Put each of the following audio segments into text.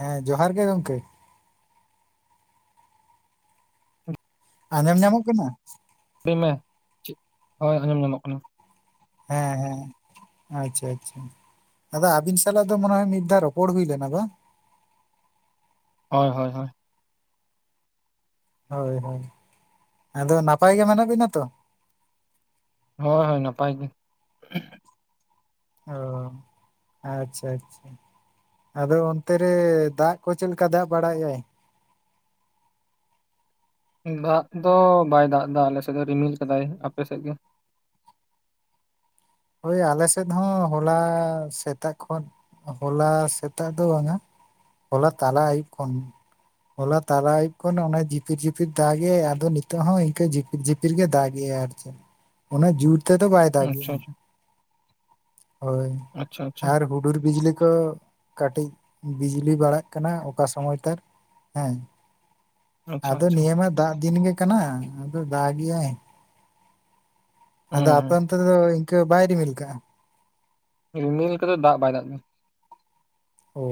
ᱦᱮᱸ ᱡᱚᱦᱟᱨ ᱜᱮ ᱜᱚᱝᱠᱮ᱾ ᱟᱸᱡᱚᱢ ᱧᱟᱢᱚᱜ ᱠᱟᱱᱟ ᱞᱟᱹᱭ ᱢᱮ ᱦᱳᱭ ᱟᱸᱡᱚᱢ ᱧᱟᱢᱚᱜ ᱠᱟᱱᱟ ᱦᱮᱸ ᱦᱮᱸ ᱟᱪᱪᱷᱟ ᱟᱪᱪᱷᱟ ᱟᱫᱚ ᱟᱵᱤᱱ ᱥᱟᱞᱟᱜ ᱫᱚ ᱢᱚᱱᱮ ᱦᱚᱭ ᱢᱤᱫ ᱫᱷᱟᱣ ᱨᱚᱯᱚᱲ ᱦᱩᱭ ᱞᱮᱱᱟ ᱵᱟᱝ ᱦᱳᱭ ᱦᱳᱭ ᱦᱳᱭ ᱦᱳᱭ ᱦᱳᱭ ᱟᱫᱚ ᱱᱟᱯᱟᱭ ᱜᱮ ᱢᱮᱱᱟᱜ ᱵᱤᱱᱟ ᱛᱚ? ᱦᱳᱭ ᱦᱳᱭ ᱱᱟᱯᱟᱭ ᱜᱮ ᱾ ᱚ ᱟᱪᱪᱷᱟ ᱟᱪᱪᱷᱟ ᱟᱫᱚ ᱚᱱᱛᱮ ᱨᱮ ᱫᱟᱜ ᱠᱚ ᱪᱮᱫ ᱞᱮᱠᱟ ᱫᱟᱜ ᱵᱟᱲᱟᱭᱮᱫᱼᱟᱭ ᱫᱟᱜ ᱫᱚ ᱵᱟᱭ ᱫᱟᱜ ᱮᱫᱟ ᱟᱞᱮᱥᱮᱫ ᱫᱚ ᱨᱤᱢᱤᱞ ᱠᱟᱫᱟᱭ ᱟᱯᱮᱥᱮᱫ ᱜᱮ ᱦᱳᱭ ᱟᱞᱮᱥᱮᱫ ᱦᱚᱸ ᱦᱚᱞᱟ ᱥᱮᱛᱟᱜ ᱠᱷᱚᱱ ᱦᱚᱞᱟ ᱥᱮᱛᱟᱜ ᱫᱚ ᱵᱟᱝᱟ ᱦᱚᱞᱟ ᱛᱟᱞᱟ ᱟᱹᱭᱩᱵ ᱠᱷᱚᱱ ᱦᱚᱞᱟ ᱛᱟᱞᱟ ᱟᱹᱭᱩᱵ ᱠᱷᱚᱱ ᱚᱱᱟ ᱡᱤᱯᱤᱨ ᱡᱤᱯᱤᱨ ᱫᱟᱜ ᱜᱮᱜᱼᱟ ᱟᱫᱚ ᱱᱤᱛᱚᱜ ᱦᱚᱸ ᱤᱱᱠᱟᱹ ᱡᱤᱯᱤᱨ ᱡᱤᱯᱤᱨ ᱡᱤᱯᱤᱨ ᱜᱮ ᱫᱟᱜ ᱮᱜᱼᱟᱭ ᱟᱨ ᱪᱮᱫ ᱚᱱᱟ ᱡᱳᱨ ᱛᱮᱫᱚ ᱵᱟᱭ ᱫᱟᱜ ᱟᱪᱪᱷᱟ ᱜᱮᱜᱼᱟ ᱟᱪᱪᱷᱟ ᱦᱳᱭ ᱟᱪᱪᱷᱟ ᱟᱨ ᱦᱩᱰᱩᱨ ᱵᱤᱡᱽᱞᱤ ᱠᱚ, ᱠᱟᱹᱴᱤᱡ ᱵᱤᱡᱽᱞᱤ ᱵᱟᱲᱟᱜ ᱠᱟᱱᱟ ᱚᱠᱟ ᱥᱚᱢᱚᱭ ᱛᱟᱨ ᱦᱮᱸ, ᱟᱪᱪᱷᱟ ᱟᱫᱚ ᱟᱪᱪᱷᱟ ᱱᱤᱭᱟᱹ ᱢᱟ ᱫᱟᱜ ᱫᱤᱱ ᱜᱮ ᱠᱟᱱᱟ, ᱟᱫᱚ ᱫᱟᱜ ᱮᱜ ᱟᱭ ᱦᱩᱸ ᱟᱫᱚ ᱟᱯ ᱦᱩᱸ ᱚᱱᱛᱮ ᱫᱚ ᱤᱱᱠᱟᱹ ᱵᱟᱭ ᱨᱤᱢᱤᱞ ᱠᱟᱜ-ᱟ? ᱨᱤᱢᱤᱞ ᱟᱠᱟᱫᱟ ᱫᱟᱜ ᱵᱟᱭ ᱫᱟᱜ ᱟᱠᱟᱫᱟᱭ ᱾ ᱚ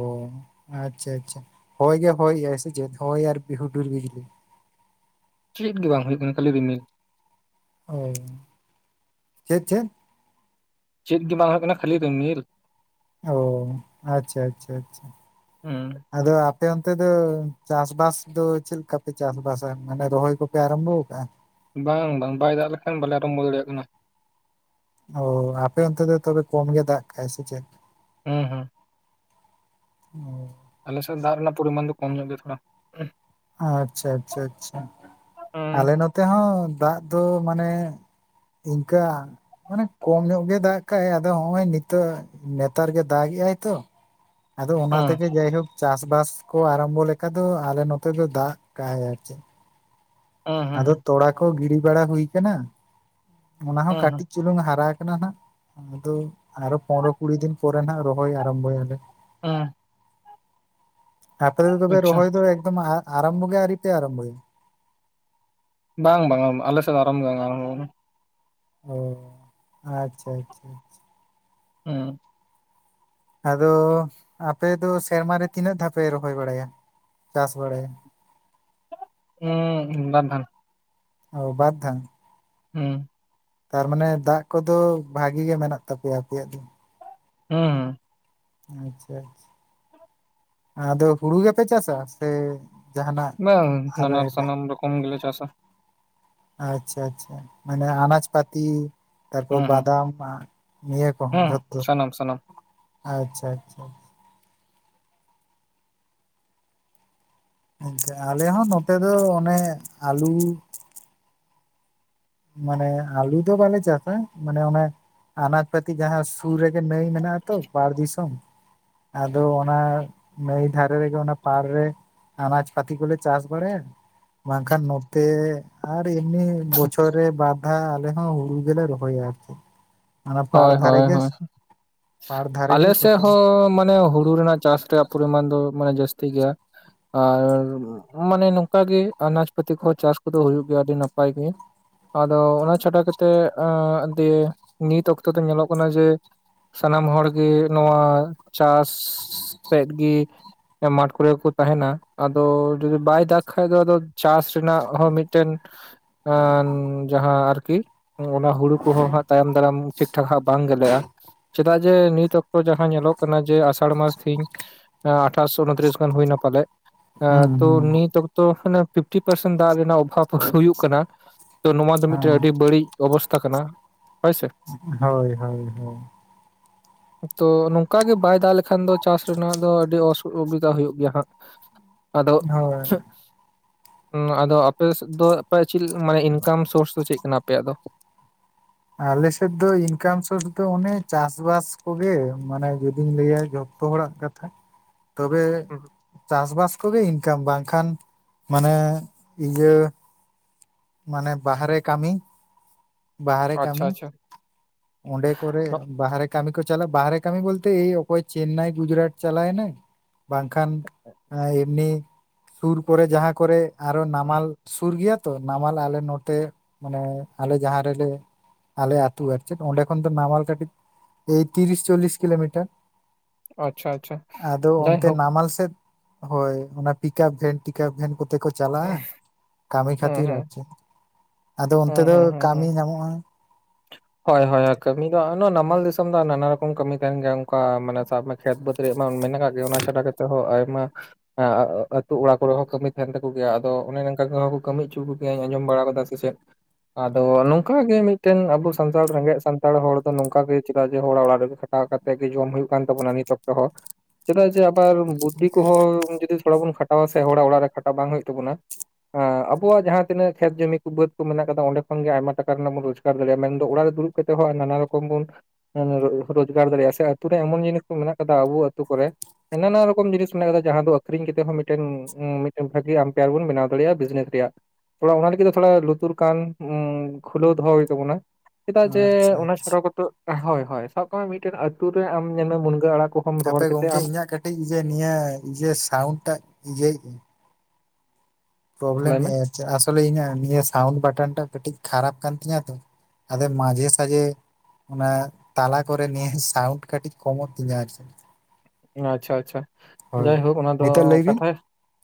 ᱟᱪᱪᱷᱟ ᱟᱪᱪᱷᱟ ᱦᱚᱭ ᱜᱮ ᱦᱚᱭ ᱜᱮ ᱥᱮ ᱫᱮᱫ ᱦᱚᱭ ᱟᱨ ᱦᱩᱰᱩᱨ ᱵᱤᱡᱽᱞᱤ, ᱪᱮᱫ ᱜᱮ ᱵᱟᱝ ᱦᱩᱭᱩᱜ ᱠᱟᱱᱟ ᱠᱷᱟᱹᱞᱤ ᱨᱤᱢᱤᱞ ᱚ ᱪᱮᱫ ᱪᱮᱫ, ᱪᱮᱫ ᱜᱮ ᱵᱟᱝ ᱦᱩᱭᱩᱜ ᱠᱟᱱᱟ ᱠᱷᱟᱹᱞᱤ ᱨᱤᱢᱤᱞ, ᱚ ᱟᱪᱪᱷᱟ ᱟᱪᱪᱷᱟ ᱟᱪᱪᱷᱟ, ᱦᱩᱸ ᱟᱫᱚ ᱟᱯᱮ ᱚᱱᱛᱮ ᱫᱚ ᱪᱟᱥ ᱵᱟᱥ ᱫᱚ ᱪᱮᱫ ᱞᱮᱠᱟ ᱯᱮ ᱪᱟᱥ ᱵᱟᱥ ᱢᱟᱱᱮ ᱨᱚᱦᱚᱭ ᱠᱚᱯᱮ ᱟᱨᱟᱢᱵᱚ ᱟᱠᱟᱫᱟ? ᱵᱟᱝ ᱵᱟᱝ ᱵᱟᱭ ᱫᱟᱜ ᱞᱮᱠᱷᱟᱱ ᱵᱟᱞᱮ ᱨᱚᱦᱳᱭ ᱟᱸ ᱲᱜᱚ ᱫᱟᱲᱮᱭᱟᱜ ᱠᱟᱱᱟ ᱾ ᱚ ᱟᱯᱮ ᱚᱱᱛᱮ ᱫᱚ ᱛᱚᱵᱮ ᱠᱚᱢ ᱜᱮ ᱫᱟᱜ ᱠᱟᱜ ᱥᱮ ᱪᱮᱫ? ᱦᱩᱸ ᱦᱩᱸ [unintelligible] ᱟᱞᱮ ᱥᱮ ᱫᱟᱜ ᱨᱮᱭᱟᱜ ᱯᱚᱨᱚᱢᱟᱱ ᱫᱚ ᱠᱚᱢ ᱧᱚᱜ ᱜᱮᱭᱟ ᱛᱷᱚᱲᱟ ᱾ ᱟᱪᱪᱷᱟ ᱟᱪᱪᱷᱟ, ᱟᱞᱮ ᱦᱩᱸ ᱱᱚᱛᱮ ᱦᱚᱸ ᱫᱟᱜ ᱫᱚ ᱢᱟᱱᱮ, ᱤᱱᱠᱟᱹ ᱢᱟᱱᱮ ᱠᱚᱢ ᱧᱚᱜ ᱜᱮᱭ ᱫᱟᱜ ᱠᱟᱜ ᱟᱫᱚ ᱦᱚᱸᱜ-ᱚᱭ ᱱᱤᱛᱚᱜ, ᱱᱮᱛᱟᱨ ᱜᱮ ᱫᱟᱜ ᱮᱜ ᱟᱭ ᱛᱚ ᱟᱫᱚ ᱚᱱᱟ ᱛᱮᱜᱮ ᱡᱟᱭᱦᱳᱠ ᱪᱟᱥᱵᱟᱥ ᱠᱚ ᱟᱨᱟᱢᱵᱷᱚ ᱞᱮᱠᱟ ᱫᱚ ᱟᱞᱮ ᱱᱚᱛᱮᱫ ᱫᱚ ᱫᱟᱜ ᱠᱟᱜ ᱟᱨ ᱪᱮᱫ ᱚ ᱟᱫᱚ ᱛᱚᱲᱟ ᱠᱚ ᱜᱤᱰᱤ ᱵᱟᱲᱟ ᱦᱩᱭ ᱵᱟᱲᱟ ᱟᱠᱟᱱᱟ ᱾ ᱚᱱᱟ ᱦᱚᱸ ᱦᱩᱸ ᱦᱩᱸ ᱠᱟᱹᱴᱤᱡ ᱪᱩᱞᱩᱝ ᱦᱟᱨᱟ ᱟᱠᱟᱱᱟ ᱦᱟᱸᱜ ᱾ ᱟᱫᱚ ᱟᱨᱚ ᱯᱚᱱᱴᱨᱚ ᱠᱩᱲᱤ ᱫᱤᱱ ᱯᱚᱨᱮ ᱱᱟᱦ ᱨᱚᱦᱚᱭ ᱟᱨᱟᱢᱵᱚ ᱟᱞᱮ ᱾ ᱦᱮᱸ ᱟᱯᱮ ᱫᱚ ᱛᱚᱵᱮ ᱟᱪᱪᱷᱟ ᱨᱚᱦᱚᱭ ᱫᱚ ᱮᱠᱫᱚᱢ ᱟᱨᱟᱢᱵᱚ ᱜᱮ ᱟᱨᱤ ᱯᱮ ᱟᱨᱟᱢᱵᱚ ᱟᱭᱟ ᱾ ᱵᱟᱝ ᱵᱟᱝ ᱟᱞᱮ ᱥᱮᱫ ᱫᱚ ᱟᱨᱟᱢᱵᱚ ᱜᱮ ᱵᱟᱝ ᱟᱨᱟᱢᱵᱚ ᱟᱠᱟᱱᱟ ᱾ ᱚ ᱟᱪᱪᱷᱟ ᱟᱪᱪᱷᱟ, ᱦᱮᱸ ᱟᱫᱚ ᱟᱯᱮ ᱫᱚ ᱥᱮᱨᱢᱟᱨ ᱨᱮ ᱛᱤᱱᱟᱹᱜ ᱫᱷᱟᱣ ᱯᱮ ᱨᱚᱦᱚᱭ ᱵᱟᱲᱟᱭᱟ, ᱪᱟᱥ ᱵᱟᱲᱟᱭᱟ ᱾ ᱚ ᱵᱟᱨ ᱫᱷᱟᱱ ᱚ ᱵᱟᱨ ᱫᱷᱟ ᱦᱮᱸ ᱛᱟᱨᱢᱟᱱᱮ ᱫᱟᱜ ᱠᱚᱫᱚ ᱵᱷᱟᱜᱤ ᱜᱮ ᱢᱮᱱᱟᱜ ᱛᱟᱯᱮᱭᱟ ᱟᱯᱮᱭᱟᱜ ᱫᱚ ᱾ ᱦᱮᱸ ᱦᱮᱸ ᱟᱪᱪᱷᱟ ᱟᱪᱪᱷᱟ, ᱟᱫᱚ ᱦᱩᱲᱩ ᱜᱮᱯᱮ ᱪᱟᱥᱟ ᱥᱮ, ᱡᱟᱦᱟᱱᱟᱜ ᱵᱟᱝ ᱟᱨᱚ ᱱᱟᱱᱟ ᱮᱴᱟᱜ ᱥᱟᱱᱟᱢ ᱨᱚᱠᱚᱢ ᱜᱮ ᱪᱟᱥᱟ ᱾ ᱟᱪᱪᱷᱟ ᱟᱪᱪᱷᱟ, ᱢᱟᱱᱮ ᱟᱱᱟᱡ ᱯᱟᱛᱤ ᱾ ᱛᱟᱨᱯᱚᱨ ᱦᱩᱸ ᱦᱩᱸ ᱵᱟᱫᱟᱢ ᱱᱤᱭᱟᱹ ᱠᱚᱦᱚᱸ ᱦᱩᱸ ᱡᱷᱚᱛᱚ ᱥᱟᱱᱟᱢ ᱥᱟᱱᱟᱢ ᱾ ᱟᱪᱪᱷᱟ ᱟᱪᱪᱷᱟ, ᱜᱚᱝᱠᱮ ᱟᱞᱮ ᱦᱚᱸ ᱱᱚᱛᱮ ᱫᱚ ᱚᱱᱮ ᱟᱞᱩ ᱢᱟᱱᱮ ᱟᱞᱩ ᱫᱚ ᱵᱟᱞᱮ ᱪᱟᱥᱟ, ᱢᱟᱱᱮ ᱚᱱᱟ ᱟᱱᱟᱡ ᱯᱟᱹᱛᱤ ᱡᱟᱦᱟᱸ ᱥᱩᱨ ᱨᱮ ᱜᱮ ᱱᱟᱹᱭ ᱢᱮᱱᱟᱜ ᱟᱛᱚ, ᱯᱟᱨ ᱫᱤᱥᱚᱢ ᱟᱫᱚ ᱚᱱᱟ ᱱᱟᱭ ᱫᱷᱟᱨᱮ ᱨᱮᱜᱮ ᱚᱱᱟ ᱯᱟᱨ ᱨᱮ ᱟᱱᱟᱡ ᱯᱛᱤ ᱠᱚ ᱞᱮ ᱪᱟᱥ ᱵᱟᱲᱟᱭᱟ ᱾ ᱵᱟᱝᱠᱷᱟᱱ ᱱᱚᱛᱮ ᱟᱨ ᱮᱢᱱᱤ ᱵᱚᱪᱷᱚᱨ ᱨᱮ ᱵᱟᱨᱫᱷᱟ ᱟᱞᱮ ᱦᱚᱸ ᱦᱩᱲᱩ ᱜᱮᱞᱮ ᱨᱚᱦᱚᱭᱟ ᱟᱨᱠᱤ ᱾ ᱦᱳᱭ ᱦᱳᱭ ᱦᱳᱭ, ᱯᱟᱲ ᱫᱷᱟᱨᱮ ᱜᱮ ᱟᱞᱮ ᱥᱮᱫ ᱠᱟᱹᱴᱤᱡ ᱦᱚᱸ ᱢᱟᱱᱮ ᱦᱩᱲᱩ ᱨᱮᱱᱟᱜ ᱪᱟᱥ ᱨᱮᱭᱟᱜ ᱯᱚᱨᱤᱢᱟᱱ ᱫᱚ ᱢᱟᱱᱮ ᱡᱟᱹᱥᱛᱤ ᱜᱮᱭᱟ ᱾ ᱟᱨ ᱢᱟᱱᱮ ᱱᱚᱝᱠᱟ ᱜᱮ ᱟᱱᱟᱡ ᱯᱟᱹᱛᱤ ᱠᱚ ᱦᱚᱸ ᱪᱟᱥ ᱠᱚ ᱫᱚ ᱦᱩᱭᱩᱜ ᱜᱮᱭᱟ ᱟᱹᱰᱤ ᱱᱟᱯᱟᱭ ᱜᱮ᱾ ᱟᱫᱚ ᱚᱱᱟ ᱪᱷᱟᱰᱟ ᱠᱟᱛᱮᱫ ᱫᱤᱭᱮ ᱱᱤᱛ ᱚᱠᱛᱚ ᱫᱚ ᱧᱮᱞᱚᱜ ᱠᱟᱱᱟ ᱡᱮ ᱥᱟᱱᱟᱢ ᱦᱚᱲᱜᱮ ᱱᱚᱣᱟ ᱪᱟᱥ ᱛᱮᱫ ᱜᱮ ᱢᱟᱴᱷ ᱠᱚᱨᱮ ᱜᱮᱠᱚ ᱛᱟᱦᱮᱱᱟ ᱟᱫᱚ ᱡᱚᱫᱤ ᱵᱟᱭ ᱫᱟᱜ ᱠᱷᱟᱡ ᱫᱚ ᱟᱫᱚ ᱪᱟᱥ, ᱨᱮᱱᱟᱜ ᱦᱚᱸ ᱢᱤᱫᱴᱮᱱ ᱡᱟᱦᱟᱸ ᱟᱨᱠᱤ ᱚᱱᱟ ᱦᱩᱲᱩ ᱠᱚ ᱦᱚᱸ ᱦᱟᱜ ᱛᱟᱭᱚᱢ ᱫᱟᱨᱟᱢ ᱴᱷᱤᱠ ᱴᱷᱟᱠ ᱦᱟᱸᱜ ᱵᱟᱝ ᱜᱮᱞᱮᱜᱼᱟ᱾ ᱪᱮᱫᱟᱜ ᱡᱮ ᱱᱤᱛ ᱚᱠᱛᱚ ᱡᱟᱦᱟᱸ ᱧᱮᱞᱚᱜ ᱠᱟᱱᱟ ᱡᱮ ᱟᱥᱟᱲ ᱢᱟᱥ ᱛᱤᱦᱤᱧ ᱟᱴᱷᱟᱥ ᱩᱱᱛᱨᱤᱥ ᱜᱟᱱ ᱦᱩᱭᱱᱟ ᱯᱟᱞᱮ, ᱮᱸ ᱦᱩᱸ ᱛᱚ ᱦᱩᱸ ᱱᱤᱛ ᱚᱠᱛᱚ ᱯᱷᱤᱯᱴᱤ ᱯᱟᱨᱥᱮᱱ ᱫᱟᱜ ᱨᱮᱱᱟᱜ ᱚᱵᱷᱟᱵ ᱦᱩᱭᱩᱜ ᱠᱟᱱᱟ᱾ ᱛᱚ ᱱᱚᱣᱟ ᱫᱚ ᱢᱤᱫᱴᱮᱱ ᱦᱮᱸ ᱟᱹᱰᱤ ᱵᱟᱹᱲᱤᱡ ᱚᱵᱚᱥᱛᱟᱷᱟ ᱠᱟᱱᱟ ᱦᱳᱭ ᱥᱮ, ᱦᱳᱭ ᱦᱳᱭ ᱦᱳᱭ᱾ [inaudible] ᱛᱚ ᱱᱚᱝᱠᱟ ᱜᱮ ᱵᱟᱭ ᱫᱟᱜ ᱞᱮᱠᱷᱟᱱ ᱫᱚ ᱪᱟᱥ ᱨᱮᱱᱟᱜ ᱫᱚ ᱟᱹᱰᱤ ᱚᱥᱩᱵᱤᱫᱷᱟ ᱦᱩᱭᱩᱜ ᱜᱮᱭᱟ ᱦᱟᱸᱜ᱾ ᱟᱫᱚ, ᱦᱳᱭ ᱟᱫᱚ ᱟᱯᱮ ᱥᱮᱫ ᱫᱚ ᱟᱯᱮᱭᱟᱜ ᱪᱮᱫ ᱢᱟᱱᱮ ᱤᱱᱠᱟᱢ ᱥᱳᱨᱥ ᱫᱚ ᱪᱮᱫ ᱠᱟᱱᱟ ᱟᱯᱮᱭᱟᱜ ᱫᱚ? ᱟᱞᱮᱥᱮᱫ ᱫᱚ ᱤᱱᱠᱟᱢ ᱥᱳᱨᱥ ᱫᱚ ᱚᱱᱮ ᱪᱟᱥᱵᱟᱥ ᱠᱚ ᱜᱮ ᱢᱟᱱᱮ ᱡᱩᱫᱤᱧ ᱞᱟᱹᱭᱟ ᱡᱚᱛ ᱡᱚᱛᱚ ᱦᱚᱲᱟᱜ ᱠᱟᱛᱷᱟ, [inaudible] ᱛᱚᱵᱮ ᱪᱟᱥ ᱵᱟᱥ ᱠᱚ ᱜᱮ ᱤᱱᱠᱟᱢ ᱵᱟᱝᱠᱷᱟᱱ ᱢᱟᱱᱮ ᱤᱭᱟᱹ ᱢᱟᱱᱮ ᱵᱟᱨᱦᱮ ᱠᱟᱹᱢᱤ ᱵᱟᱦᱨᱮ ᱟᱪᱪᱷᱟ ᱠᱟᱹᱢᱤ, ᱟᱪᱪᱷᱟ ᱚᱸᱰᱮ ᱠᱚᱨᱮ ᱵᱟᱦᱨᱮ ᱠᱟᱹᱢᱤ ᱠᱚ ᱪᱟᱞᱟᱜᱼᱟ ᱵᱟᱦᱨᱮ ᱠᱟᱹᱢᱤ ᱵᱚᱞᱛᱮ ᱚᱠᱚᱭ ᱪᱮᱱᱱᱟᱭ ᱜᱩᱡᱨᱟᱴ ᱪᱟᱞᱟᱭ ᱱᱟᱭ, [inaudible] ᱵᱟᱝᱠᱷᱟᱱ ᱮᱢᱱᱤ ᱥᱩᱨ ᱠᱚᱨᱮ ᱡᱟᱦᱟᱸ ᱠᱚᱨᱮ ᱟᱨᱦᱚᱸ ᱱᱟᱢᱟᱞ ᱥᱩᱨ ᱜᱮᱭᱟ ᱛᱚ ᱱᱟᱢᱟᱞ ᱟᱞᱮ ᱱᱚᱛᱮ ᱢᱟᱱᱮ ᱟᱞᱮ ᱡᱟᱦᱟᱸ ᱨᱮᱞᱮ ᱟᱞᱮ ᱟᱹᱛᱩ ᱟᱨ ᱚᱸᱰᱮ ᱠᱷᱚᱱ ᱫᱚ ᱱᱟᱢᱟᱞ ᱠᱟᱴᱤᱡ ᱮᱭ ᱛᱤᱨᱤᱥ ᱪᱚᱞᱞᱤᱥ ᱠᱤᱞᱳᱢᱤᱴᱟᱨ᱾ ᱟᱪᱪᱷᱟ ᱟᱪᱪᱷᱟ ᱟᱫᱚ ᱚᱱᱛᱮ ᱡᱟᱭᱦᱳᱠ ᱱᱟᱢᱟᱞ ᱥᱮᱫ, ᱦᱳᱭ ᱚᱱᱟ ᱯᱤᱠᱟᱯ ᱵᱷᱮᱱ ᱴᱤᱠᱟᱯ ᱵᱷᱮᱱ ᱠᱚᱛᱮ ᱠᱚ, ᱪᱟᱞᱟᱜᱼᱟ ᱠᱟᱹᱢᱤ ᱦᱩᱸ ᱠᱷᱟᱹᱛᱤᱨ ᱟᱨ ᱦᱩᱸ, ᱪᱮᱫ ᱟᱫᱚ ᱚᱱᱛᱮ ᱦᱩᱸ ᱫᱚ ᱦᱩᱸ ᱦᱩᱸ ᱠᱟᱹᱢᱤ ᱦᱩᱸ᱾ ᱧᱟᱢᱚᱜᱼᱟ᱾ ᱦᱳᱭ ᱦᱳᱭ ᱠᱟᱹᱢᱤ ᱫᱚ᱾ ᱱᱟᱢᱟᱞ ᱫᱤᱥᱚᱢ ᱫᱚ ᱱᱟᱱᱟ ᱨᱚᱠᱚᱢ ᱠᱟᱹᱢᱤ ᱛᱟᱦᱮᱱ ᱜᱮᱭᱟ ᱚᱱᱠᱟ ᱢᱟᱱᱮ ᱥᱟᱵ ᱢᱮ ᱠᱷᱮᱛ ᱵᱟᱹᱛ ᱨᱮᱭᱟᱜ ᱢᱟ ᱢᱮᱱᱟᱜᱼᱟ᱾ ᱜᱮ ᱚᱱᱟ ᱪᱷᱟᱰᱟ ᱠᱟᱛᱮᱫ ᱦᱚᱸ ᱟᱭᱢᱟ ᱮ ᱟᱹᱛᱩᱳ ᱚᱲᱟᱜ ᱠᱚᱨᱮ ᱦᱚᱸ ᱠᱟᱹᱢᱤ ᱛᱟᱦᱮᱱ ᱛᱟᱠᱚ ᱜᱮᱭᱟ ᱟᱫᱚ ᱚᱱᱮ ᱱᱚᱝᱠᱟ ᱜᱮ ᱦᱟᱜ ᱠᱚ ᱠᱟᱹᱢᱤ ᱦᱚᱪᱚ ᱠᱚᱜᱮᱭᱟ ᱟᱸᱡᱚᱢ ᱵᱟᱲᱟ ᱠᱟᱫᱟ ᱥᱮ ᱪᱮᱫ? ᱟᱫᱚ ᱱᱚᱝᱠᱟ ᱜᱮ ᱢᱤᱫᱴᱮᱱ ᱟᱵᱚ ᱥᱟᱱᱛᱟᱲ ᱨᱮᱸᱜᱮᱡ ᱥᱟᱱᱛᱟᱲ ᱦᱚᱲ ᱫᱚ ᱱᱚᱝᱠᱟ ᱜᱮ ᱪᱮᱫᱟᱜ ᱡᱮ ᱦᱚᱲᱟᱜ ᱚᱲᱟᱜ ᱨᱮ ᱠᱷᱟᱴᱟᱣ ᱠᱟᱛᱮᱜ ᱜᱮ ᱡᱚᱢ ᱦᱩᱭᱩᱜ ᱠᱟᱱ ᱛᱟᱵᱚᱱᱟ ᱱᱤᱛ ᱚᱠᱛᱚ ᱦᱚᱸ᱾ ᱪᱮᱫᱟᱜ ᱡᱮ ᱟᱵᱟᱨ ᱵᱩᱫᱽᱫᱷᱤ ᱠᱚ ᱦᱚᱸ ᱡᱩᱫᱤ ᱛᱷᱚᱲᱟ ᱵᱚᱱ ᱠᱷᱟᱴᱟᱣᱟ ᱥᱮ ᱦᱚᱲᱟᱜ ᱚᱲᱟᱜ ᱨᱮ ᱠᱷᱴᱟᱣ ᱵᱟᱝ ᱦᱩᱭᱩᱜ ᱛᱟᱵᱚᱱᱟ᱾ ᱟᱵᱚᱣᱟᱜ ᱡᱟᱦᱟᱸ ᱛᱤᱱᱟᱹᱜ ᱠᱷᱮᱛ ᱡᱚᱢᱤ ᱠᱚ ᱵᱟᱹᱫᱽ ᱠᱚ ᱢᱮᱱᱟᱜ ᱠᱟᱫᱟ ᱚᱸᱰᱮ ᱠᱷᱚᱱ ᱜᱮ ᱟᱭᱢᱟ ᱴᱟᱠᱟ ᱨᱮᱱᱟᱜ ᱵᱚᱱ ᱨᱳᱡᱽᱜᱟᱨ ᱫᱟᱲᱮᱭᱟᱜᱼᱟ ᱢᱮᱱ ᱚᱲᱟᱜ ᱨᱮ ᱫᱩᱲᱩᱵ ᱠᱟᱛᱮᱜ ᱱᱟᱱᱟ ᱨᱚᱠᱚᱢ ᱵᱚᱱ ᱨᱳᱡᱽᱜᱟᱨ ᱫᱟᱲᱮᱭᱟᱜᱼᱟ ᱥᱮ ᱟᱛᱩ ᱨᱮ ᱮᱢᱚᱱ ᱡᱤᱱᱤᱥ ᱠᱚ ᱢᱮᱱᱟᱜ ᱠᱟᱫᱟ ᱟᱵᱚ ᱟᱛᱳ ᱠᱚ ᱨᱮ, ᱦᱟᱱᱟ ᱱᱟᱣᱟ ᱨᱚᱠᱚᱢ ᱡᱤᱱᱤᱥ ᱢᱮᱱᱟᱜ ᱠᱟᱫᱟ ᱡᱟᱦᱟᱸ ᱫᱚ ᱟᱹᱷᱨᱤᱧ ᱠᱟᱛᱮᱫ ᱦᱚᱸ ᱢᱤᱫᱴᱮᱱ ᱢᱤᱫᱴᱮᱱ ᱵᱷᱟᱹᱜᱤ ᱟᱢᱯᱮᱭᱟᱨ ᱵᱚᱱ ᱵᱮᱱᱟᱣ ᱫᱟᱲᱮᱭᱟᱜᱼᱟ ᱵᱤᱡᱽᱱᱮᱥ ᱨᱮᱭᱟᱜ᱾ ᱛᱷᱚᱲᱟ ᱚᱱᱟ ᱞᱟᱹᱜᱤᱫ ᱛᱮ ᱛᱷᱚᱲᱟ ᱞᱩᱛᱩᱨ ᱠᱟᱱ ᱠᱷᱩᱞᱟᱹᱣ ᱫᱚᱦᱚᱸ ᱦᱩᱭᱩᱜ ᱛᱟᱵᱚᱱᱟ᱾ ᱪᱮᱫᱟᱜ ᱡᱮ ᱟᱪᱪᱷᱟ ᱚᱱᱟ ᱪᱷᱟᱰᱟ ᱠᱚᱛᱮᱫ ᱦᱳᱭ ᱦᱳᱭ ᱥᱟᱵ ᱠᱟᱜ ᱢᱮ ᱢᱤᱫᱴᱮᱱ ᱟᱹᱛᱩ ᱨᱮ ᱟᱢ ᱧᱮᱞᱢᱮ ᱢᱩᱱᱜᱟᱹ ᱟᱲᱟᱜ ᱠᱚ ᱦᱟᱯᱮ ᱜᱚᱝᱠᱮ ᱤᱧᱟᱹᱜ ᱠᱟᱹᱴᱤᱡ ᱤᱭᱟᱹ ᱱᱤᱭᱟᱹ ᱤᱭᱟᱹ ᱥᱟᱣᱩᱱᱰ ᱴᱟᱜ ᱤᱭᱟᱹᱭᱮᱫ ᱯᱨᱚᱵᱞᱮᱢ ᱞᱟᱹᱭ ᱢᱮ ᱟᱥᱚᱞᱮ ᱤᱧᱟᱹᱜ ᱱᱤᱭᱟᱹ ᱥᱟᱣᱩᱱᱰ ᱵᱟᱴᱚᱱ ᱴᱟᱜ ᱠᱟᱹᱴᱤᱡ ᱠᱷᱟᱨᱟᱯ ᱠᱟᱱ ᱛᱤᱧᱟᱹ ᱛᱚ᱾ ᱟᱫᱮ ᱢᱟᱡᱮ ᱥᱟᱡᱮ, ᱚᱱᱟ ᱛᱟᱞᱟ ᱠᱚᱨᱮ ᱱᱤᱭᱟᱹ ᱥᱟᱣᱩᱱᱰ ᱠᱟᱹᱴᱤᱡ ᱠᱚᱢᱚᱜ ᱛᱤᱧᱟ ᱟᱨᱠᱤ᱾ ᱟᱪᱪᱷᱟ ᱟᱪᱪᱷᱟ ᱦᱳᱭ ᱡᱟᱭᱦᱳᱠ ᱚᱱᱟ ᱫᱚ ᱱᱤᱛᱚᱜ ᱞᱟᱹᱭ ᱵᱤᱱ ᱠᱟᱛᱷᱟ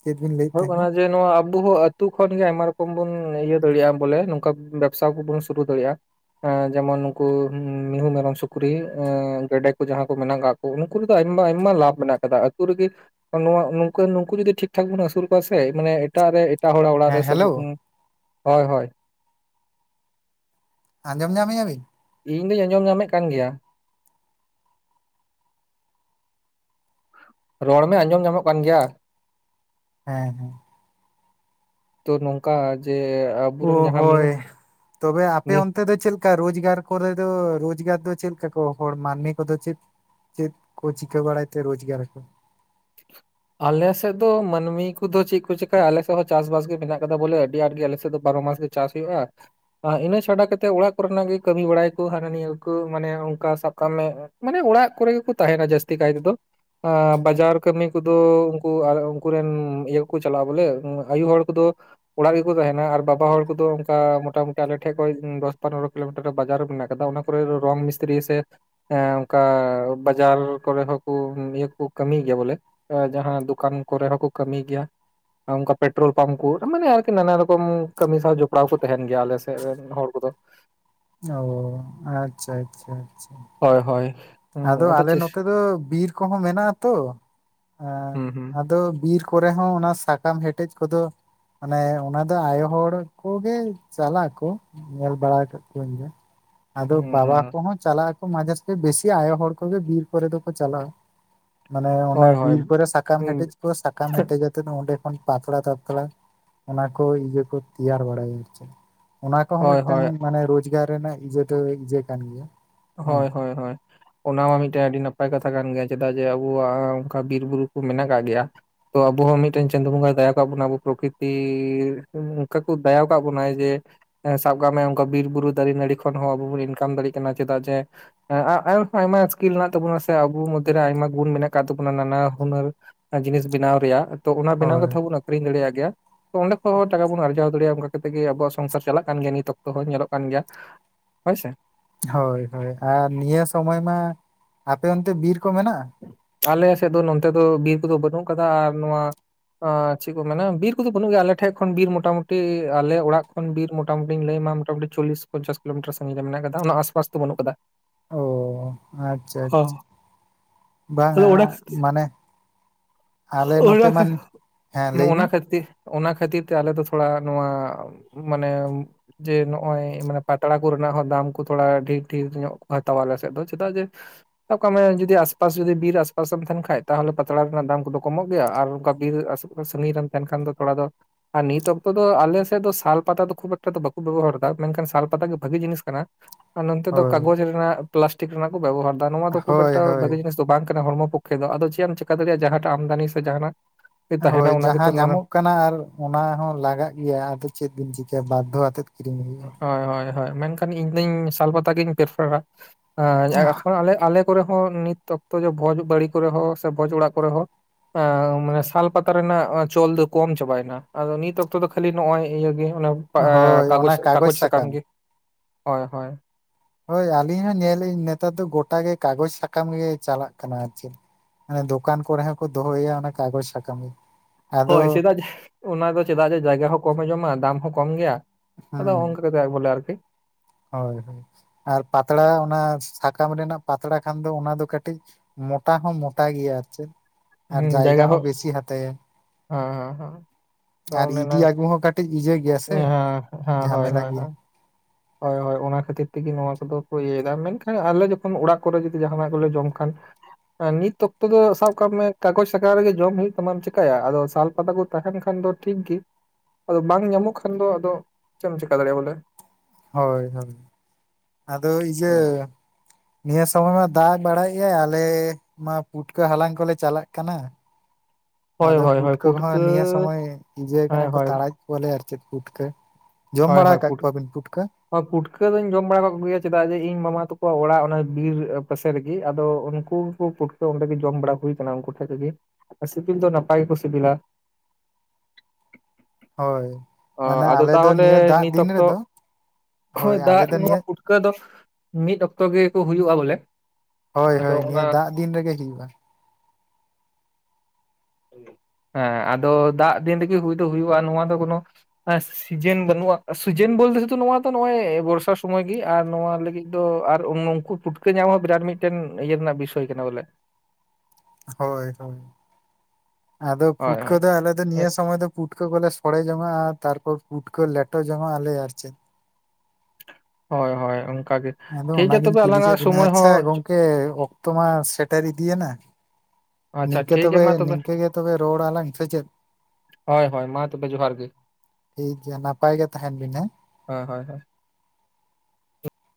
ᱪᱮᱫ ᱵᱤᱱ ᱞᱟᱹᱭᱮᱫ ᱦᱩᱭᱩᱜ ᱛᱟᱦᱮᱸᱱᱟ ᱠᱟᱱᱟ ᱡᱮ ᱱᱚᱣᱟ ᱟᱵᱚ ᱦᱚᱸ ᱟᱛᱩ ᱠᱷᱚᱱᱜᱮ ᱟᱭᱢᱟ ᱨᱚᱠᱚᱢ ᱵᱩᱱ ᱤᱭᱟᱹ ᱫᱟᱲᱮᱭᱟᱜᱼᱟ ᱵᱚᱞᱮ ᱱᱚᱝᱠᱟ ᱵᱮᱵᱥᱟ ᱠᱚᱵᱩᱱ ᱥᱩᱨᱩ ᱫᱟᱲᱮᱭᱟᱜᱼᱟ᱾ ᱡᱮᱢᱚᱱ ᱱᱩᱠᱩ ᱢᱤᱦᱩ ᱢᱮᱨᱚᱢ ᱥᱩᱠᱨᱤ ᱜᱮᱰᱮ ᱠᱚ ᱡᱟᱦᱟ ᱠᱚ ᱢᱮᱱᱟᱜ ᱠᱟᱜ ᱠᱚ ᱩᱱᱠᱩᱫᱚ ᱟᱭᱢᱟ ᱞᱟᱵᱷ ᱢᱮᱱᱟᱜ ᱟᱠᱟᱫᱟ ᱟᱹᱛᱩ ᱨᱮᱜᱮ᱾ ᱱᱚᱣᱟ ᱱᱩᱝᱠᱟᱱ ᱱᱩᱠᱩ ᱡᱩᱫᱤ ᱴᱷᱤᱠ ᱴᱷᱟᱠ ᱵᱚᱱ ᱟᱹᱥᱩᱞ ᱠᱚᱣᱟ ᱥᱮ ᱢᱟᱱᱮ ᱮᱴᱟᱜ ᱨᱮ ᱮᱴᱟᱜ ᱦᱚᱲᱟᱜ ᱚᱲᱟᱜ ᱨᱮ ᱦᱮᱸ ᱦᱮᱞᱳ [inaudible] ᱦᱳᱭ ᱦᱳᱭ ᱟᱸᱡᱚᱢ ᱧᱟᱢᱮᱭᱟ ᱵᱤᱱ ᱤᱧ ᱫᱚᱧ ᱟᱸᱡᱚᱢ ᱧᱟᱢᱮᱫ ᱠᱟᱱ ᱜᱮᱭᱟ ᱨᱚᱲ ᱢᱮ ᱟᱸᱡᱚᱢ ᱧᱟᱢᱚᱜ ᱠᱟᱱ ᱜᱮᱭᱟ ᱦᱮᱸ ᱦᱮᱸ ᱛᱚ ᱱᱚᱝᱠᱟ ᱡᱮ ᱚ ᱟᱵᱚᱨᱮᱱ ᱡᱟᱦᱟᱸ ᱢᱤᱦᱩ ᱦᱳᱭ ᱛᱚᱵᱮ ᱟᱯᱮ ᱢᱤᱦᱩ ᱚᱱᱛᱮ ᱫᱚ ᱪᱮᱫ ᱪᱮᱫᱠᱟ ᱨᱳᱡᱽᱜᱟᱨ ᱠᱚᱨᱮ ᱫᱚ ᱨᱚᱡᱽᱜᱟᱨ ᱫᱚ ᱪᱮᱫ ᱞᱮᱠᱟ ᱠᱚ ᱦᱚᱲ ᱢᱟᱹᱱᱢᱤ ᱠᱚᱫᱚ ᱪᱮᱫ ᱪᱮᱫ ᱠᱚ ᱪᱤᱠᱟᱹ ᱵᱟᱲᱟᱭ ᱛᱮ ᱨᱚᱡᱽᱜᱟᱨᱟᱠᱚ [unintelligible] ᱟᱞᱮᱥᱮᱫ ᱫᱚ ᱢᱟᱹᱱᱢᱤ ᱠᱚᱫᱚ ᱪᱮᱫ ᱠᱚ ᱪᱮᱠᱟᱭᱟ ᱟᱞᱮᱥᱮᱫ ᱦᱚᱸ ᱪᱟᱥᱵᱟᱥ ᱜᱮ ᱢᱮᱱᱟᱜ ᱟᱠᱟᱫᱟ ᱵᱚᱞᱮ ᱟᱹᱰᱤ ᱟᱴ ᱜᱮ ᱟᱞᱮᱥᱮᱫ ᱫᱚ ᱵᱟᱨᱚ ᱢᱟᱥ ᱜᱮ ᱪᱟᱥ ᱦᱩᱭᱩᱜᱼᱟ ᱤᱱᱟᱹ ᱪᱷᱟᱰᱟ ᱠᱟᱛᱮ ᱚᱲᱟᱜ ᱠᱚᱨᱮᱱᱟᱜ ᱜᱮ ᱠᱟᱢᱤ ᱵᱟᱲᱟᱭ ᱠᱚ ᱦᱟᱱᱟ ᱱᱤᱭᱟᱹ ᱠᱚ ᱢᱟᱱᱮ ᱚᱱᱠᱟ ᱥᱟᱵᱠᱟᱜ ᱢᱮ ᱢᱟᱱᱮ ᱚᱲᱟᱜ ᱠᱚᱨᱮ ᱜᱮᱠᱚ ᱛᱟᱦᱮᱱᱟ ᱡᱟᱹᱥᱛᱤ ᱠᱟᱭ ᱛᱮᱫᱚ ᱵᱟᱡᱟᱨ ᱠᱟᱹᱢᱤ ᱠᱚᱫᱚ ᱩᱱᱠᱩ ᱟᱨ ᱩᱱᱠᱩ ᱨᱮᱱ ᱤᱭᱟᱹ ᱠᱚᱠᱚ ᱪᱟᱞᱟᱜᱼᱟ ᱵᱚᱞᱮ ᱟᱭᱩ ᱦᱚᱲ ᱠᱚᱫᱚ ᱚᱲᱟᱜ ᱜᱮᱠᱚ ᱛᱟᱦᱮᱱᱟ ᱟᱨ ᱵᱟᱵᱟ ᱦᱚᱲ ᱠᱚᱫᱚ ᱚᱱᱠᱟ ᱢᱚᱴᱟ ᱢᱩᱴᱤ ᱟᱞᱮ ᱴᱷᱮᱱ ᱠᱷᱚᱱ ᱫᱚᱥ ᱯᱚᱱᱨᱚ ᱠᱤᱞᱳᱢᱤᱴᱟᱨ ᱵᱟᱡᱟᱨ ᱢᱮᱱᱟᱜ ᱟᱠᱟᱫᱟ ᱚᱱᱟ [unintelligible] ᱨᱚᱝ ᱢᱤᱥᱛᱨᱤ ᱥᱮ ᱦᱮᱸ ᱚᱱᱠᱟ ᱵᱟᱡᱟᱨ ᱠᱚᱨᱮ ᱦᱚᱸᱠᱚ ᱤᱭᱟᱹ ᱠᱚ ᱠᱟᱹᱢᱤᱭ ᱜᱮᱭᱟ ᱵᱚᱞᱮ ᱡᱟᱦᱟᱸ ᱫᱚᱠᱟᱱ ᱠᱚᱨᱮ ᱦᱚᱸᱠᱚ ᱠᱟᱹᱢᱤᱭ ᱜᱮᱭᱟ ᱚᱱᱠᱟ ᱯᱮᱴᱨᱳᱞ ᱯᱟᱢᱯ ᱠᱚ ᱢᱟᱱᱮ ᱟᱨᱠᱤ ᱱᱟᱱᱟ ᱨᱚᱠᱚᱢ ᱠᱟᱹᱢᱤ ᱥᱟᱶ ᱡᱚᱯᱲᱟᱣ ᱠᱚ ᱛᱟᱦᱮᱱ ᱜᱮᱭᱟ ᱟᱞᱮ ᱥᱮᱫ ᱨᱮᱱ ᱦᱚᱲ ᱠᱚᱫᱚ [inaudible] ᱚ ᱟᱪᱪᱷᱟ ᱟᱪᱪᱷᱟ ᱟᱪᱪᱷᱟ ᱦᱳᱭ ᱦᱳᱭ ᱦᱩᱸ ᱟᱫᱚ ᱟᱞᱮ ᱪᱮᱥ ᱱᱚᱛᱮ ᱫᱚ ᱵᱤᱨ ᱠᱚᱦᱚᱸ ᱢᱮᱱᱟᱜ ᱟᱛᱚ ᱦᱩᱸ ᱦᱩᱸ ᱟᱫᱚ ᱵᱤᱨ ᱠᱚᱨᱮ ᱦᱚᱸ ᱚᱱᱟ ᱥᱟᱠᱟᱢ ᱦᱮᱴᱮᱡᱽ ᱠᱚᱫᱚ ᱢᱟᱱᱮ ᱚᱱᱟ ᱫᱚ ᱟᱭᱳ ᱦᱚᱲ ᱠᱚᱜᱮ ᱪᱟᱞᱟᱜ ᱟᱠᱚ ᱧᱮᱞ ᱵᱟᱲᱟᱭ ᱟᱠᱟᱫ ᱠᱚᱣᱟᱹᱧ ᱜᱮ ᱟᱫᱚ ᱦᱩᱸ ᱵᱟᱵᱟ ᱦᱩᱸ ᱠᱚᱦᱚᱸ ᱪᱟᱞᱟᱜ ᱟᱠᱚ ᱢᱟᱡᱷᱮ ᱥᱟᱡᱷᱮ ᱵᱮᱥᱤ ᱟᱭᱳ ᱦᱚᱲ ᱠᱚᱜᱮ ᱵᱤᱨ ᱠᱚᱨᱮ ᱫᱚᱠᱚ ᱪᱟᱞᱟᱜᱼᱟ ᱢᱟᱱᱮ ᱚᱱᱮ ᱦᱳᱭ ᱦᱳᱭ ᱵᱤᱨ ᱠᱚᱨᱮ ᱥᱟᱠᱟᱢ ᱦᱩᱸ ᱦᱮᱴᱮᱡᱽ ᱠᱚ ᱥᱟᱠᱟᱢ ᱦᱮᱴᱮᱡ ᱚ ᱚᱸᱰᱮ ᱠᱷᱚᱱ ᱯᱟᱛᱲᱟ ᱛᱟᱛᱲᱟ ᱚᱱᱟ ᱠᱚ ᱤᱭᱟᱹ ᱠᱚ ᱛᱮᱭᱟᱨ ᱵᱟᱲᱟᱭᱟ ᱚᱱᱟ ᱠᱚᱦᱚᱸ ᱦᱳᱭ ᱢᱤᱫᱴᱟᱝ ᱦᱳᱭ ᱢᱟᱱᱮ ᱨᱳᱡᱽᱜᱟᱨ ᱨᱮᱱᱟᱜ ᱤᱡᱟᱹ ᱫᱚ ᱤᱡᱟᱹ ᱠᱟᱱ ᱜᱮᱭᱟ ᱦᱮᱸ ᱦᱳᱭ ᱦᱳᱭ ᱦᱳᱭ ᱚᱱᱟ ᱦᱚᱸ ᱢᱤᱫᱴᱮᱡ ᱟᱹᱰᱤ ᱱᱟᱯᱟᱭ ᱠᱟᱛᱷᱟ ᱠᱟᱱ ᱜᱮᱭᱟ ᱪᱮᱫᱟᱜ ᱡᱮ ᱟᱵᱚᱣᱟᱜ ᱚᱱᱠᱟ ᱵᱤᱨ ᱵᱩᱨᱩ ᱠᱚ ᱢᱮᱱᱟᱜ ᱠᱟᱜ ᱜᱮᱭᱟ ᱛᱚ ᱟᱵᱚ ᱦᱚᱸ ᱢᱤᱫᱴᱮᱱ ᱪᱟᱸᱫᱳ ᱵᱚᱸᱜᱟᱭ ᱫᱟᱭᱟ ᱠᱟᱫ ᱵᱚᱱᱟ ᱟᱵᱚ ᱯᱨᱚᱠᱨᱤᱛᱤ ᱚᱱᱠᱟ ᱠᱚ ᱫᱟᱭᱟᱣᱠᱟᱫ ᱵᱚᱱᱟᱭ ᱡᱮ ᱥᱟᱵ ᱠᱟᱜ ᱢᱮ ᱚᱱᱠᱟ ᱵᱤᱨ ᱵᱩᱨᱩ ᱫᱟᱨᱮ ᱱᱟᱹᱲᱤ ᱠᱷᱚᱱ ᱦᱚᱸ ᱟᱵᱚ ᱵᱚᱱ ᱤᱱᱠᱟᱢ ᱫᱟᱲᱮᱭᱟᱜ ᱠᱟᱱᱟ ᱪᱮᱫᱟᱜ ᱡᱮ [unintelligible] ᱟᱭᱢᱟ ᱥᱠᱤᱞ ᱢᱮᱱᱟᱜ ᱛᱟᱵᱚᱱᱟ ᱟᱵᱚ ᱢᱚᱫᱽᱫᱷᱮ ᱨᱮ ᱟᱭᱢᱟ ᱜᱩᱱ ᱢᱮᱱᱟᱜ ᱟᱠᱟᱫ ᱛᱟᱵᱚᱱᱟ ᱱᱟᱱᱟ ᱦᱩᱱᱟᱹᱨ ᱡᱤᱱᱤᱥ ᱵᱮᱱᱟᱣ ᱨᱮᱭᱟᱜ ᱛᱚ ᱚᱱᱟ ᱵᱮᱱᱟᱣ ᱦᱳᱭ ᱠᱟᱛᱮ ᱦᱚᱸ ᱵᱚᱱ ᱟᱠᱷᱨᱤᱧ ᱫᱟᱲᱮᱭᱟᱜ ᱜᱮᱭᱟ ᱛᱚ ᱚᱸᱰᱮ ᱠᱷᱚᱜ ᱦᱚᱸ ᱴᱟᱠᱟ ᱵᱚᱱ ᱟᱨᱡᱟᱣ ᱫᱟᱲᱮᱭᱟᱜᱼᱟ ᱚᱱᱠᱟ ᱠᱟᱛᱮᱜ ᱜᱮ ᱟᱵᱚᱣᱟᱜ ᱥᱚᱝᱥᱟᱨ ᱪᱟᱞᱟᱜ ᱠᱟᱱ ᱜᱮᱭᱟ ᱱᱤᱛ ᱚᱠᱛᱚ ᱦᱚᱸ ᱧᱮᱞᱚᱜ ᱠᱟᱱ ᱜᱮᱭᱟ ᱦᱳᱭ ᱥᱮ ᱦᱳᱭ ᱦᱳᱭ ᱟᱨ ᱱᱤᱭᱟᱹ ᱥᱚᱢᱚᱭ ᱢᱟ ᱟᱯᱮ ᱚᱱᱛᱮ ᱵᱤᱨ ᱠᱚ ᱢᱮᱱᱟᱜᱼᱟ ᱟᱞᱮ ᱥᱮᱫ ᱫᱚ ᱱᱚᱱᱛᱮ ᱫᱚ ᱵᱤᱨ ᱠᱚᱫᱚ ᱵᱟᱹᱱᱩᱜ ᱠᱟᱫᱟ ᱟᱨ ᱱᱚᱣᱟ ᱪᱮᱫ ᱠᱚ ᱢᱮᱱᱟ ᱵᱤᱨ ᱠᱚᱫᱚ ᱵᱟᱹᱱᱩᱜ ᱜᱮᱭᱟ ᱟᱞᱮ ᱴᱷᱮᱡ ᱠᱷᱚᱱ ᱵᱤᱨ ᱢᱚᱴᱟ ᱢᱩᱴᱤ ᱟᱞᱮ ᱚᱲᱟᱜ ᱠᱷᱚᱱ ᱵᱤᱨ ᱢᱚᱴᱟ ᱢᱩᱴᱤᱧ ᱞᱟᱹᱭ ᱟᱢᱟ ᱢᱚᱴᱟ ᱢᱩᱴᱤ ᱪᱚᱞᱞᱤᱥ ᱯᱚᱧᱪᱟᱥ ᱠᱤᱞᱳᱢᱤᱴᱟᱨ ᱥᱟᱺᱜᱤᱧ ᱨᱮ ᱢᱮᱱᱟᱜ ᱠᱟᱫᱟ ᱚᱱᱟ ᱟᱥᱯᱟᱥ ᱫᱚ ᱵᱟᱹᱱᱩᱜ ᱟᱠᱟᱫᱟ ᱚ ᱟᱪᱷᱟ ᱚ ᱟᱪᱷᱟ ᱟᱫᱚ ᱵᱟᱝᱟ ᱚᱱᱟ ᱠᱷᱟᱹᱛᱤᱨ ᱢᱟᱱᱮ ᱟᱞᱮ ᱚᱱᱟ ᱱᱚᱛᱮ ᱠᱷᱟᱹ ᱢᱟᱱ ᱦᱮᱸ ᱚᱱᱟ ᱞᱟᱹᱭᱵᱤᱱ ᱠᱷᱟᱹᱛᱤᱨ ᱚᱱᱟ ᱠᱷᱟᱹᱛᱤᱨ ᱛᱮ ᱟᱞᱮ ᱫᱚ ᱛᱷᱚᱲᱟ ᱱᱚᱣᱟ ᱢᱟᱱᱮ ᱡᱮ ᱱᱚᱜᱼᱚᱭ ᱢᱟᱱᱮ ᱯᱟᱛᱲᱟ ᱠᱚᱨᱮᱱᱟᱜ ᱦᱚᱸ ᱫᱟᱢ ᱠᱚ ᱛᱷᱚᱲᱟ ᱰᱷᱤᱨ ᱰᱷᱤᱨ ᱧᱚᱜ ᱠᱚ ᱦᱟᱛᱟᱣᱟ ᱟᱞᱮ‌ᱥᱮᱫ ᱫᱚ ᱪᱮᱫᱟᱜ ᱡᱮ ᱥᱟᱵ ᱠᱟᱜ ᱢᱮ ᱡᱩᱫᱤ ᱟᱥᱯᱟᱥ ᱡᱩᱫᱤ ᱵᱤᱨ ᱟᱥᱯᱟᱥᱮᱢ ᱛᱟᱦᱮᱱ ᱠᱷᱟᱡ ᱛᱟᱦᱚᱞᱮ ᱯᱟᱛᱲᱟ ᱨᱮᱱᱟᱜ ᱫᱟᱢ ᱠᱚ ᱫᱚ ᱠᱚᱢᱚᱜ ᱜᱮᱭᱟ ᱟᱨ ᱚᱱᱠᱟ ᱵᱤᱨ [unintelligible] ᱥᱟᱺᱜᱤᱧ ᱨᱮᱢ ᱛᱟᱦᱮᱱ ᱠᱷᱟᱱ ᱫᱚ ᱛᱷᱚᱲᱟ ᱫᱚ ᱟᱨ ᱱᱤᱛ ᱚᱠᱛᱚ ᱫᱚ ᱟᱞᱮᱥᱮᱫ ᱫᱚ ᱥᱟᱞ ᱯᱟᱛᱟ ᱫᱚ ᱠᱷᱩᱵ ᱮᱠᱴᱟ ᱫᱚ ᱵᱟᱠᱚ ᱵᱮᱵᱚᱦᱟᱨ ᱫᱟ ᱢᱮᱱᱠᱷᱟᱱ ᱥᱟᱞ ᱯᱟᱛᱟ ᱜᱮ ᱵᱷᱟᱜᱤ ᱡᱤᱱᱤᱥ ᱠᱟᱱᱟ ᱟᱨ ᱱᱚᱱᱛᱮ ᱫᱚ ᱦᱳᱭ ᱠᱟᱜᱚᱡᱽ ᱨᱮᱱᱟᱜ ᱯᱞᱟᱥᱴᱤᱠ ᱨᱮᱱᱟᱜ ᱠᱚ ᱵᱮᱵᱚᱦᱟᱨ ᱫᱟ ᱱᱚᱶᱟ ᱫᱚ ᱠᱷᱩᱵ ᱦᱳᱭ ᱮᱠᱴᱟ ᱦᱳᱭ ᱵᱷᱟᱜᱤ ᱡᱤᱱᱤᱥ ᱛ ᱵᱟᱝ ᱠᱟᱱᱟ ᱦᱚᱲᱢᱚ ᱯᱚᱠᱠᱷᱮ ᱫᱚ ᱟᱫᱚ ᱪᱮᱫ ᱮᱢ ᱪᱮᱤᱠᱟᱹ ᱫᱟᱲᱮᱭᱟᱜᱼᱟ ᱡᱟᱦᱟᱸᱴᱟᱜ ᱟᱢᱫᱟᱱᱤ ᱥᱮ ᱡᱟᱦᱟᱱᱟᱜ ᱛᱟᱦᱮᱱᱟ ᱦᱳᱭ ᱚᱱᱟ ᱜᱮᱛᱚ ᱡᱟᱦᱟᱸ ᱧᱟᱢᱚᱜ ᱟᱨ ᱚᱱᱟ ᱦᱚᱸ ᱞᱟᱜᱟᱜ ᱜᱮᱭᱟ ᱟᱫᱚ ᱪᱮᱫ ᱵᱤᱱ ᱪᱤᱠᱟᱹᱭᱟ ᱵᱟᱫᱽᱫᱷᱚ ᱟᱛᱮᱫ ᱠᱤᱨᱤᱧ ᱦᱩᱭᱩᱜᱼᱟ ᱦᱳᱭ ᱦᱳᱭ ᱦᱚᱭ ᱢᱮᱱᱠᱷᱟᱱ ᱤᱧᱫᱚᱧ ᱥᱟᱞ ᱯᱟᱛᱟ ᱜᱤᱧ ᱯᱨᱤᱯᱷᱟᱨᱟ ᱮᱠᱷᱚᱱ ᱟᱞᱮ ᱟᱞᱮ ᱠᱚᱨᱮ ᱦᱚᱸ ᱱᱤᱛ ᱚᱠᱛᱚ ᱡᱮ ᱵᱷᱳᱡᱽ ᱵᱟᱲᱤ ᱠᱚᱨᱮ ᱦᱚᱸ ᱥᱮ ᱵᱷᱳᱡᱽ ᱚᱲᱟᱜ ᱠᱚᱨᱮ ᱦᱚᱸ ᱢᱟᱱᱮ ᱥᱟᱞ ᱯᱟᱛᱟ ᱨᱮᱱᱟᱜ ᱪᱚᱞ ᱫᱚ ᱠᱚᱢ ᱪᱟᱵᱟᱭᱮᱱᱟ ᱟᱫᱚ ᱱᱤᱛ ᱚᱠᱛᱚ ᱫᱚ ᱠᱷᱟᱞᱤ ᱱᱚᱜᱼᱚᱭ ᱤᱭᱟᱹ ᱜᱮ ᱦᱳᱭ ᱚᱱᱟ ᱠᱟᱜᱚᱡᱽ ᱥᱟᱠᱟᱢ ᱥᱟᱠᱟᱢ ᱜᱮ ᱦᱳᱭ ᱦᱳᱭ ᱦᱳᱭ ᱟᱹᱞᱤᱧ ᱦᱚᱸ ᱧᱮᱞᱮᱫᱟᱹᱧ ᱱᱮᱛᱟᱨ ᱫᱚ ᱜᱚᱴᱟ ᱜᱮ ᱠᱟᱜᱚᱡᱽ ᱥᱟᱠᱟᱢ ᱜᱮ ᱪᱟᱞᱟᱜ ᱠᱟᱱᱟ ᱟᱨ ᱪᱮᱫ ᱟᱨ ᱫᱚᱠᱟᱱ ᱠᱚᱨᱮ ᱦᱚᱸᱠᱚ ᱫᱚᱦᱚᱭᱟ ᱚᱱᱟ ᱠᱟᱜᱚᱡᱽ ᱥᱟᱠᱟᱢ ᱜᱮ ᱟᱫᱚ ᱦᱳᱭ ᱪᱮᱫᱟᱜ ᱚᱱᱟ ᱫᱚ ᱪᱮᱫᱟᱜ ᱡᱮ ᱡᱟᱭᱜᱟ ᱦᱚᱸ ᱠᱚᱢᱮ ᱡᱚᱢᱟ ᱫᱟᱢ ᱦᱚᱸ ᱠᱚᱢ ᱜᱮᱭᱟ ᱟᱫᱚ ᱦᱩᱸ ᱚᱱᱠᱟ ᱵᱚᱞᱮ ᱟᱨᱠᱤ ᱦᱳᱭ ᱦᱳᱭ ᱟᱨ ᱯᱟᱛᱲᱟ ᱚᱱᱟ ᱥᱟᱠᱟᱢ ᱨᱮᱱᱟᱜ ᱯᱟᱛᱲᱟ ᱠᱷᱟᱱ ᱫᱚ ᱚᱱᱟ ᱫᱚ ᱠᱟᱹᱴᱤᱡ ᱢᱚᱴᱟ ᱦᱚᱸ ᱢᱚᱴᱟ ᱜᱮᱭᱟ ᱟᱨ ᱪᱮ ᱟᱨ ᱡᱟᱭᱜᱟ ᱦᱚᱸ ᱵᱮᱥᱤ ᱦᱟᱛᱟᱭᱟ ᱦᱮᱸ ᱦᱮᱸ ᱦᱮᱸ ᱛᱚ ᱟᱨ ᱚᱱᱮ ᱚᱱᱟ ᱤᱫᱤ ᱟᱹᱜᱩ ᱦᱚᱸ ᱠᱟᱹᱴᱤᱡ ᱠᱟᱹᱴᱤᱡ ᱤᱭᱟᱹ ᱜᱮᱭᱟ ᱥᱮ ᱦᱮᱸ ᱦᱮᱸ ᱦᱳᱭ ᱡᱷᱟᱢᱮᱞᱟ ᱦᱳᱭ ᱜᱮ ᱦᱳᱭ ᱦᱳᱭ ᱦᱳᱭ ᱚᱱᱟ ᱠᱷᱟᱹᱛᱤᱨ ᱛᱮᱜᱮ ᱱᱚᱣᱟ ᱠᱚᱫᱚ ᱠᱚ ᱤᱭᱟᱹᱫᱟ ᱢᱮᱱᱠᱷᱟᱱ ᱟᱞᱮ ᱡᱚᱠᱷᱚᱱ ᱚᱲᱟᱜ ᱠᱚᱨᱮ ᱡᱚᱫᱤ ᱡᱟᱦᱟᱱᱟᱜ ᱜᱮᱞᱮ ᱡᱚᱢ ᱠᱷᱟᱱ ᱱᱤᱛ ᱚᱠᱛᱚ ᱫᱚ ᱥᱟᱵ ᱠᱟᱜ ᱢᱮ ᱠᱟᱜᱚᱡᱽ ᱥᱟᱠᱟᱢ ᱨᱮᱜᱮ ᱡᱚᱢ ᱦᱩᱭᱩᱜ ᱛᱟᱢ ᱪᱮᱠᱟᱭᱟ ᱟᱫᱚ ᱥᱟᱞ ᱯᱟᱛᱟ ᱠᱚ ᱛᱟᱦᱮᱱ ᱠᱷᱟᱱ ᱫᱚ ᱴᱷᱤᱠ ᱜᱮ ᱟᱫᱚ ᱵᱟᱝ ᱧᱟᱢᱚᱜ ᱠᱷᱟᱱ ᱫᱚ ᱟᱫᱚ ᱪᱮᱫ ᱮᱢ ᱪᱮᱠᱟ ᱫᱟᱲᱮᱭᱟᱜᱼᱟ ᱵᱚᱞᱮ ᱦᱳᱭ ᱦᱳᱭ ᱟᱫᱚ ᱤᱭᱟᱹ ᱱᱤᱭᱟᱹ ᱥᱚᱢᱚᱭ ᱢᱟ ᱫᱟᱜ ᱵᱟᱲᱟᱭᱮᱫ ᱟᱭ ᱟᱞᱮ ᱢᱟ ᱯᱩᱴᱠᱟᱹ ᱦᱟᱞᱟᱝ ᱠᱚᱞᱮ ᱪᱟᱞᱟᱜ ᱠᱟᱱᱟ ᱦᱳᱭ ᱟᱫᱚ ᱦᱳᱭ ᱦᱳᱭ ᱯᱩᱴᱠᱟᱹ ᱠᱚᱦᱚᱸ ᱱᱤᱭᱟᱹ ᱥᱚᱢᱚᱭ ᱤᱭᱟᱹ ᱠᱟᱱᱟ ᱦᱳᱭ ᱠᱚ ᱦᱳᱭ ᱛᱟᱲᱟᱭᱮᱫ ᱠᱚᱣᱟᱞᱮ ᱟᱨ ᱪᱮᱫ ᱯᱩᱴᱠᱟᱹ ᱡᱚᱢ ᱦᱚᱭ ᱵᱟᱲᱟ ᱦᱚᱭ ᱟᱠᱟᱫ ᱯᱩᱴ ᱠᱚᱣᱟᱵᱤᱱ ᱯᱩᱴᱠᱟᱹ ᱯᱩᱴᱠᱟᱹ ᱫᱚᱧ ᱡᱚᱢ ᱵᱟᱲᱟ ᱟᱠᱟᱫ ᱠᱚᱜᱮᱭᱟ ᱪᱮᱫᱟᱜ ᱡᱮ ᱤᱧ ᱢᱟᱢᱟ ᱛᱟᱠᱚᱣᱟᱜ ᱚᱲᱟᱜ ᱵᱤᱨ ᱯᱟᱥᱮ ᱨᱮᱜᱮ ᱟᱫᱚ ᱩᱱᱠᱩ ᱯᱩᱴᱠᱟᱹ ᱚᱸᱰᱮ ᱜᱮ ᱡᱚᱢ ᱵᱟᱲᱟ ᱦᱩᱭ ᱟᱠᱟᱱᱟ ᱩᱱᱠᱩ ᱴᱷᱮᱱᱜᱮ ᱟᱨ ᱥᱤᱵᱤᱞ ᱫᱚ ᱱᱟᱯᱟᱭ ᱜᱮᱠᱚ ᱥᱤᱵᱤᱞᱟ ᱦᱳᱭ ᱚ ᱢᱟᱱᱮ ᱟᱫᱚ ᱟᱞᱮ ᱫᱚ ᱛᱟᱦᱚᱞᱮ ᱱᱤᱭᱟᱹ ᱫᱟᱜ ᱱᱤᱛ ᱫᱤᱱ ᱚᱠᱛᱚ ᱨᱮᱫᱚ ᱦᱳᱭ ᱟᱞᱮ ᱫᱟᱜ ᱫᱚ ᱱᱚᱣᱟ ᱱᱤᱭᱟᱹ ᱯᱩᱴᱠᱟᱹ ᱫᱚ ᱢᱤᱫ ᱚᱠᱛᱚ ᱜᱮᱠᱚ ᱦᱩᱭᱩᱜᱼᱟ ᱵᱚᱞᱮ ᱦᱳᱭ ᱟᱫᱚ ᱦᱳᱭ ᱚᱱᱟ ᱱᱤᱭᱟᱹ ᱫᱟᱜ ᱫᱤᱱ ᱨᱮᱜᱮ ᱦᱩᱭᱩᱜ ᱼᱟ ᱦᱮᱸ ᱟᱫᱚ ᱫᱟᱜ ᱫᱤᱱ ᱨᱮᱜᱮ ᱦᱩᱭ ᱫᱚ ᱦᱩᱭᱩᱜᱼᱟ ᱱᱚᱣᱟ ᱫᱚ ᱠᱳᱱᱳ ᱥᱤᱡᱮᱱ ᱵᱟᱹᱱᱩᱜᱼᱟ ᱥᱤᱡᱮᱱ ᱵᱚᱞᱛᱮ ᱥᱮ ᱱᱚᱣᱟ ᱫᱚ ᱱᱚᱜᱼᱚᱭ ᱵᱚᱨᱥᱟ ᱥᱩᱢᱚᱭ ᱜᱮ ᱟᱨ ᱱᱚᱣᱟ ᱞᱟᱹᱜᱤᱫ ᱫᱚ ᱟᱨ ᱩᱱᱝᱠᱩ ᱯᱩᱴᱠᱟᱹ ᱧᱟᱢ ᱦᱚᱸ ᱵᱤᱨᱟᱴ ᱢᱤᱫᱴᱮᱱ ᱤᱭᱟᱹ ᱨᱮᱱᱟᱜ ᱵᱤᱥᱚᱭ ᱠᱟᱱᱟ ᱵᱚᱞᱮ ᱦᱳᱭ ᱦᱳᱭ ᱟᱫᱚ ᱦᱳᱭ ᱯᱩᱴᱠᱟᱹ ᱦᱳᱭ ᱫᱚ ᱟᱞᱮ ᱫᱚ ᱱᱤᱭᱟᱹ ᱥᱚᱢᱚᱭ ᱫᱚ ᱯᱩᱴᱠᱟᱹ ᱠᱚᱞᱮ ᱥᱚᱲᱮ ᱡᱚᱝ ᱟ ᱛᱟᱨᱯᱚᱨ ᱯᱩᱴᱠᱟᱹ ᱞᱮᱴᱚ ᱡᱚᱝᱟᱜ ᱟᱞᱮ ᱟᱨ ᱪᱮᱫ ᱦᱳᱭ ᱦᱳᱭ ᱚᱱᱠᱟ ᱜᱮ ᱟᱫᱚ ᱴᱷᱤᱠ ᱜᱮᱭᱟ ᱚᱱᱟᱜᱤᱧ ᱛᱚᱵᱮ ᱠᱩᱞᱤ ᱟᱞᱟᱝᱟᱜ ᱠᱮᱫ ᱵᱤᱱᱟ ᱥᱚᱢᱚᱭ ᱟᱪᱪᱷᱟ ᱦᱚᱸ ᱜᱚᱝᱠᱮ ᱚᱠᱛᱚ ᱢᱟ ᱥᱮᱴᱮᱨ ᱤᱫᱤᱭᱮᱱᱟ ᱟᱪᱪᱷᱟ ᱱᱤᱝᱠᱟᱹ ᱴᱷᱤᱠ ᱜᱮᱭᱟ ᱛᱚᱵᱮ ᱢᱟ ᱱᱤᱝᱠᱟᱹ ᱜᱮ ᱛᱚᱵᱮ ᱨᱚᱲ ᱟᱞᱟᱝ ᱥᱮ ᱪᱮᱫ ᱦᱳᱭ ᱦᱳᱭ ᱢᱟ ᱛᱚᱵᱮ ᱡᱚᱦᱟᱨ ᱜᱮ ᱴᱷᱤᱠᱜᱮᱭᱟ ᱱᱟᱯᱟᱭ ᱜᱮ ᱛᱟᱦᱮᱱ ᱵᱤᱱ ᱦᱮᱸ ᱦᱳᱭ ᱦᱚᱭ ᱦᱚᱭ